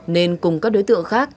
nên cùng các đối tượng khác